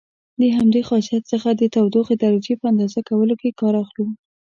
د همدې خاصیت څخه د تودوخې درجې په اندازه کولو کې کار اخلو.